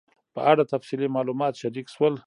په اړه تفصیلي معلومات شریک سول